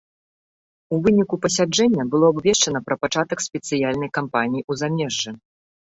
У выніку пасяджэння было абвешчана пра пачатак спецыяльнай кампаніі ў замежжы.